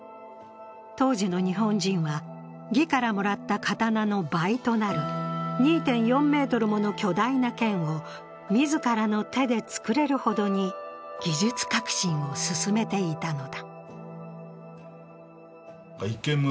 当時の日本人は魏からもらった刀の倍となる２．４ｍもの巨大な剣を自らの手で作れるほどに技術革新を進めていたのだ。